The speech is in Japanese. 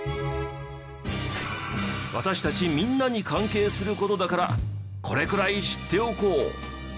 私たちみんなに関係する事だからこれくらい知っておこう！